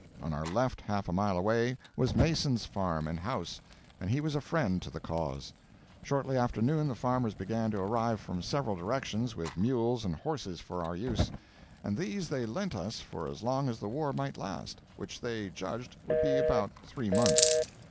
On our left, half a mile away, was Mason's farm and house; and he was a friend to the cause. Shortly after noon the farmers began to arrive from several directions, with mules and horses for our use, and these they lent us for as long as the war might last, which they judged would be about three months.